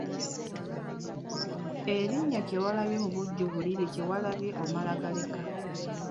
Erinnya Kyewalabye mubujjuvu liri Kye waalabye omala galeka.